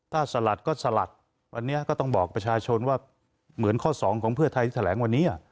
ถ้าสลัดก็สลัดวันนี้ก็ต้องบอกประชาชนว่าเหมือนข้อสองของเพื่อไทยที่แถลงวันนี้